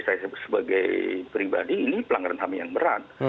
saya sebagai pribadi ini pelanggaran ham yang berat